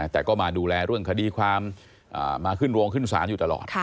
แต่ก็มาดูแลเรื่องคดีความมาขึ้นโรงขึ้นศาลอยู่ตลอด